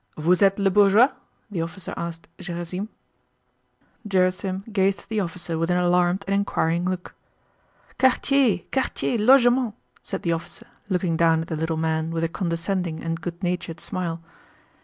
"Vous êtes le bourgeois?" * the officer asked Gerásim. * "Are you the master here?" Gerásim gazed at the officer with an alarmed and inquiring look. "Quartier, quartier, logement!" said the officer, looking down at the little man with a condescending and good natured smile.